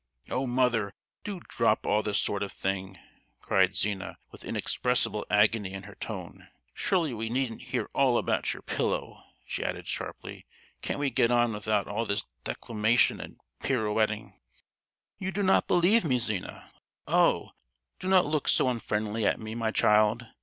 "Oh, mother, do drop all this sort of thing!" cried Zina, with inexpressible agony in her tone. "Surely we needn't hear all about your pillow!" she added, sharply. "Can't we get on without all this declamation and pirouetting?" "You do not believe me, Zina! Oh! do not look so unfriendly at me, my child!